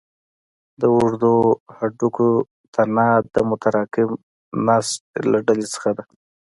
د اوږدو هډوکو تنه د متراکم نسج له ډلې څخه ده.